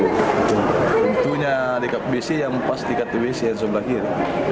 tentunya dekat bc yang pas dekat bc yang sebelah kiri